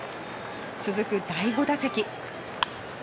続く第５打席。